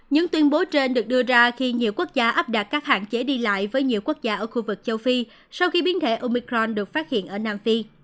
những tuyên bố trên được đưa ra khi nhiều quốc gia áp đặt các hạn chế đi lại với nhiều quốc gia ở khu vực châu phi sau khi biến hệ omicron được phát hiện ở nam phi